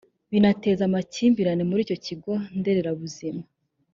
binateza amakimbirane muri icyo kigo nderabuzima